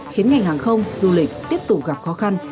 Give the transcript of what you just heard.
khiến ngành hàng không du lịch tiếp tục gặp khó khăn